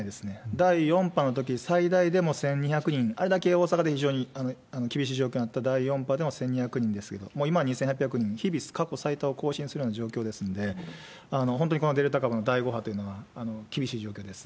第４波のとき、最大でも１２００人、あれだけ大阪で非常に厳しい状況になった第４波でも１２００人ですけど、今は２８００人、日々過去最多を更新するような状況ですんで、本当にこのデルタ株の第５波というのは厳しい状況です。